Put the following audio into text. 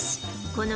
この